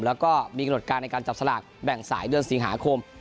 แล้วก็มีกำหนดการในการจับสลากแบ่งสายเดือนสิงหาคม